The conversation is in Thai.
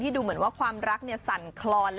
ดูเหมือนว่าความรักสั่นคลอน